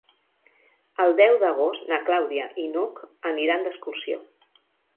El deu d'agost na Clàudia i n'Hug aniran d'excursió.